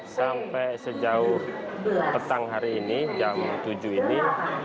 sampai sejauh petang hari ini jam tujuh ini